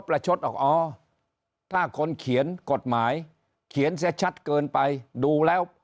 ชดออกอ๋อถ้าคนเขียนกฎหมายเขียนเสียชัดเกินไปดูแล้ว